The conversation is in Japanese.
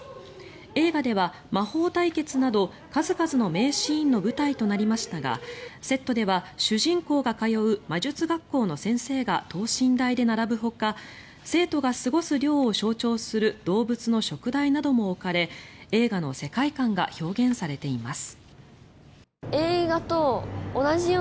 映画では魔法対決など数々の名シーンの舞台となりましたがセットでは主人公が通う魔術学校の先生が等身大で並ぶほか生徒が過ごす寮を象徴する動物の燭台なども置かれ映画の世界観が表現されています。